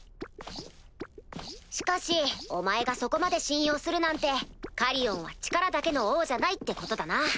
しかしお前がそこまで信用するなんてカリオンは力だけの王じゃないってことだな。